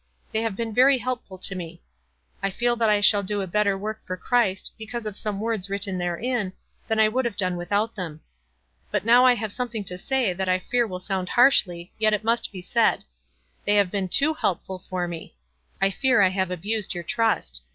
They have been very helpful to me. I feel that I shall do a better work for Christ, because of some w T ords w ritten therein, than I would have done without them. But now I have 10 146 WISE AND OTHERWISE. something to say that I fear will sound harshly, yet it must be said. They have been too help* fill for me. I fear I have abused your trust.